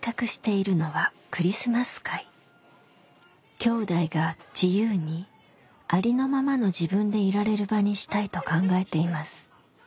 きょうだいが自由にありのままの自分でいられる場にしたいと考えています。